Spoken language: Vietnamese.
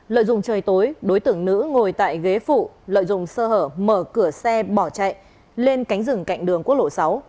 lợi dụng trời tối đối tượng nữ ngồi tại ghế phụ lợi dụng sơ hở mở cửa xe bỏ chạy lên cánh rừng cạnh đường quốc lộ sáu